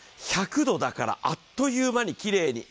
１００度だからあっという間にきれいに。